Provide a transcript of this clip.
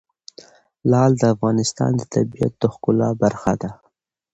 لعل د افغانستان د طبیعت د ښکلا برخه ده.